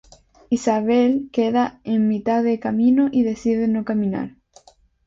Isabelle queda en mitad de camino y decide no caminar.